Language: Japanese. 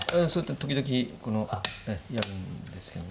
時々やるんですけどね。